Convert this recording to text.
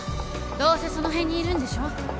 どうせその辺にいるんでしょ。